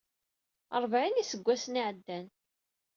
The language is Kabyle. Ṛebɛin n iseggasen i iɛeddan.